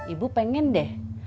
ibu pengen deh